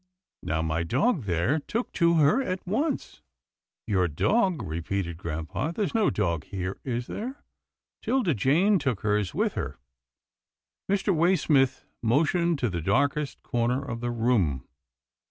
Now my dog, there, took to her at once." " Your dog," repeated grampa, " there's no dog here, is there — 'Tilda Jane took hers with her." Mr. Waysmith motioned to the darkest corner of the room.